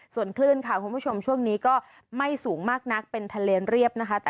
ส่วนคลื่นค่ะคุณผู้ชมช่วงนี้ก็ไม่สูงมากนักเป็นทะเลเรียบนะคะ